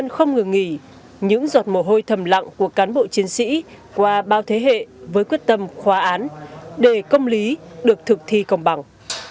nhưng không ngừng nghỉ những giọt mồ hôi thầm lặng của cán bộ chiến sĩ qua bao thế hệ với quyết tâm khóa án để công lý được thực thi công bằng